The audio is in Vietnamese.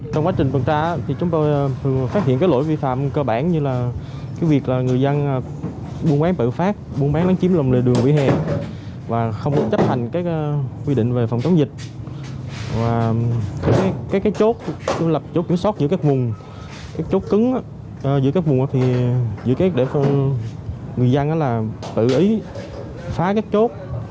lập chốt kiểm soát giữa các vùng các chốt cứng giữa các vùng thì người dân tự ý phá các chốt